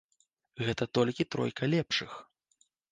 Гэта толькі тройка лепшых.